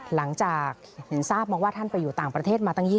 หลังจากเห็นทราบมาว่าท่านไปอยู่ต่างประเทศมาตั้ง๒๐